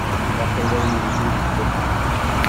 Waqil ad iwet udfel.